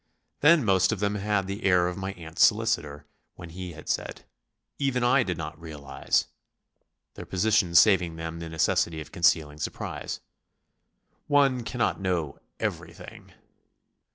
They most of them had the air of my aunt's solicitor when he had said, "Even I did not realise...." their positions saving them the necessity of concealing surprise. "One can't know everything."